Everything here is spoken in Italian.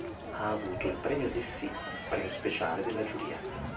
Ha avuto il Premio Dessì, premio speciale della Giuria.